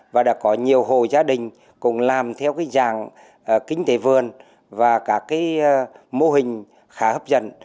và đã có nhiều hồ gia đình cùng làm theo cái dạng kính tế vườn và cả cái mô hình khá hấp dẫn